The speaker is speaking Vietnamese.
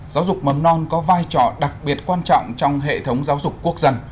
giáo dục mầm non có vai trò đặc biệt quan trọng trong hệ thống giáo dục quốc dân